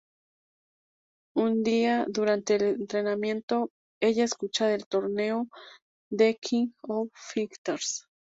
Un día, durante el entrenamiento, ella escucha del torneo "The King of Fighters".